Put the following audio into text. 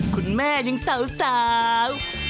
คุณแม่ยังสาว